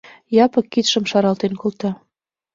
Япык кидшым шаралтен колта: